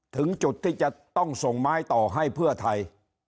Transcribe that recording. ถึงจุดที่จะต้องส่งไม้ต่อให้เพื่อไทย